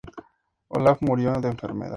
Olaf murió de enfermedad.